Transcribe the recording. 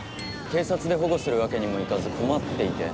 警察で保護するわけにもいかず困っていて。